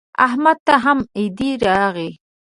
احمد ته هم عید راغی.